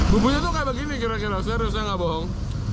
bumbunya tuh kayak begini kira kira seharusnya nggak bohong